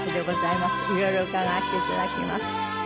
いろいろ伺わせていただきます。